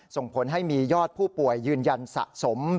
ส่งผลให้มียอดผู้ป่วยยืนยันสะสม